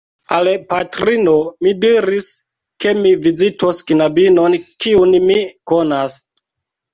Al patrino mi diris, ke mi vizitos knabinon, kiun mi konas.